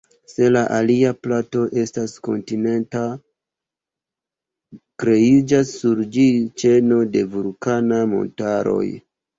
Se la alia plato estas kontinenta, kreiĝas sur ĝi ĉeno de vulkanaj montaroj.